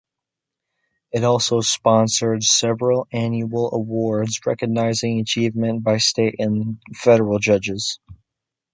It also sponsored several annual awards recognizing achievement by state and federal judges.